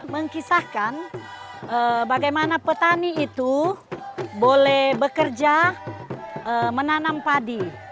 mengkisahkan bagaimana petani itu boleh bekerja menanam padi